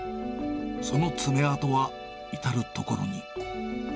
その爪痕は至る所に。